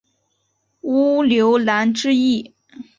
乌牛栏之役。